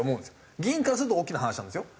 議員からすると大きな話なんですよ。